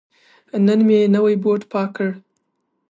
نن مې نوی بوټ پاک کړ.